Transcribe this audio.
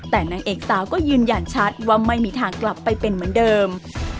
แต่นางเอกสาวก็ยืนยันชัดว่าไม่มีทางกลับไปเป็นเหมือนเดิม